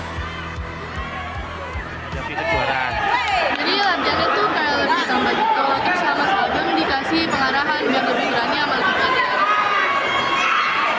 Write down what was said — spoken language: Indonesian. jadi larjanya itu karena lebih ramah gitu terus sama saja dikasih pengarahan yang lebih kurangnya melakukan